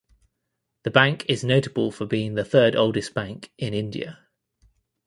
The bank is notable for being the third oldest bank in India.